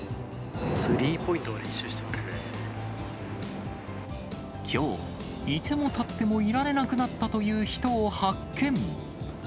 スリーポイントを練習してまきょう、いてもたってもいられなくなったという人を発見。